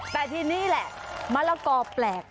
แต่ทีนี้แหละมะละกอแปลก